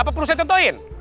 apa perusahaan contohin